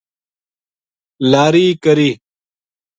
لاری کری